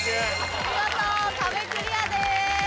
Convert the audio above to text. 見事壁クリアです。